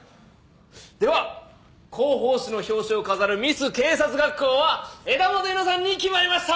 では広報誌の表紙を飾るミス警察学校は枝元佑奈さんに決まりました！